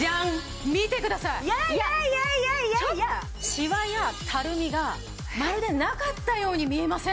しわやたるみがまるでなかったように見えません？